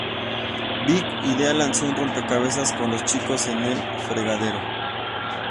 Big Idea lanzó un rompecabezas con Los Chicos en el Fregadero.